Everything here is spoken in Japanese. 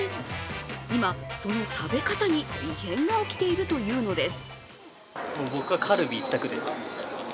今その食べ方に異変が起きているというのです。